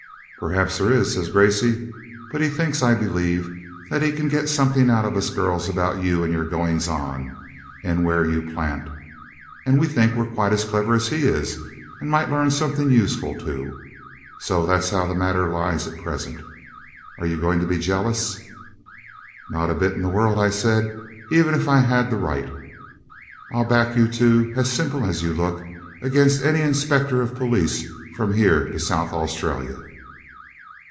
'Perhaps there is,' says Gracey; 'but he thinks, I believe, that he can get something out of us girls about you and your goings on, and where you plant; and we think we're quite as clever as he is, and might learn something useful too. So that's how the matter lies at present. Are you going to be jealous?' 'Not a bit in the world,' I said, 'even if I had the right. I'll back you two, as simple as you look, against any inspector of police from here to South Australia.'